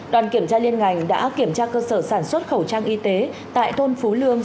đoàn kiểm tra liên ngành đã kiểm tra cơ sở sản xuất khẩu trang y tế tại thôn phú lương